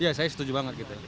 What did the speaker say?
ya saya setuju banget gitu